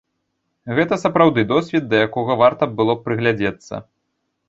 Гэта сапраўды досвед, да якога варта было б прыглядзецца.